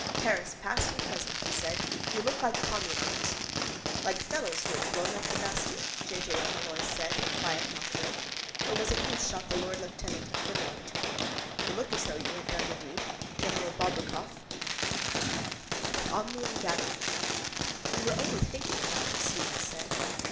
—Paris, past and present, he said. You look like communards. —Like fellows who had blown up the Bastile, J. J. O'Molloy said in quiet mockery. Or was it you shot the lord lieutenant of Finland between you? You look as though you had done the deed. General Bobrikoff. OMNIUM GATHERUM —We were only thinking about it, Stephen said.